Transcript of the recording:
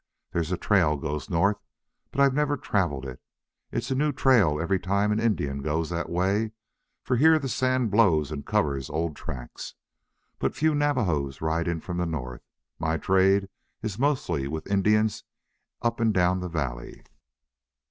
There's a trail goes north, but I've never traveled it. It's a new trail every time an Indian goes that way, for here the sand blows and covers old tracks. But few Navajos ride in from the north. My trade is mostly with Indians up and down the valley."